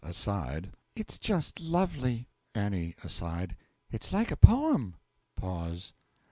(Aside.) It's just lovely! A. (Aside.) It's like a poem.